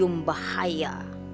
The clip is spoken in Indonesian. gue mencium bahaya